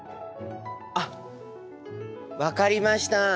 あっ分かりました！